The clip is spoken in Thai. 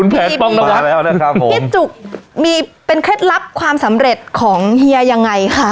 พี่จุ๊กมีเป็นเคล็ดลับความสำเร็จของเฮียยังไงค่ะ